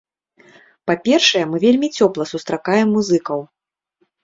Па-першае, мы вельмі цёпла сустракаем музыкаў.